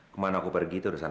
kemana aku pergi tuh udah sana